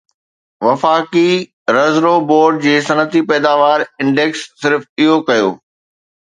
وفاقي reserve board جي صنعتي پيداوار انڊيڪس صرف اهو ڪيو